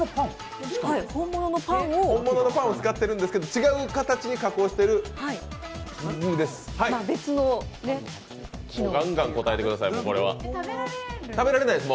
本物のパンを使ってるんですけど、違う形に加工しているんです。